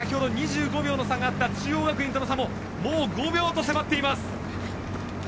先ほど２５秒の差があった中央学院との差ももう５秒と迫っています。